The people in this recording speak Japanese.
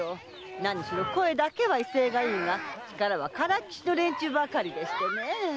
何しろ声だけは威勢がいいが力はからっきしの連中ばかりでしてね。